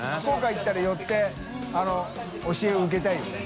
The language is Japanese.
行ったら寄って教えを受けたいよね。